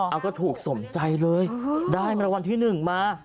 อ้าก็ถูกสมใจเลยได้มารวรที่๑มา